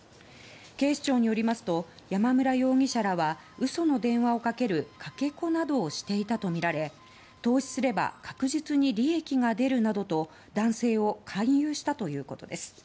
警視庁によりますと山村容疑者らは嘘の電話をかけるかけ子などをしていたとみられ投資すれば確実に利益が出るなどと男性を勧誘したということです。